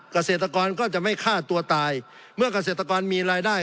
เกษตรกรก็จะไม่ฆ่าตัวตายเมื่อเกษตรกรมีรายได้